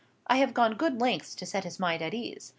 I have gone good lengths to set his mind at ease.